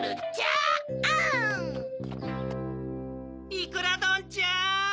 いくらどんちゃん！